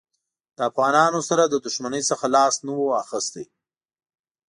له افغانانو سره د دښمنۍ څخه لاس نه وو اخیستی.